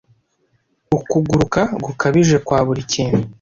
ukuguruka gukabije kwa buri kintu